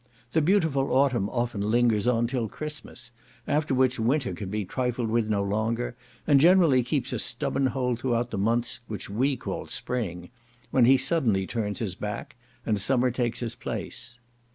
The beautiful autumn often lingers on till Christmas, after which winter can be trifled with no longer, and generally keeps a stubborn hold through the months which we call spring, when he suddenly turns his back, and summer takes his place.